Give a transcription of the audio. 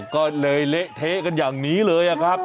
ก็เลยเละเทะกันอย่างนี้เลยครับ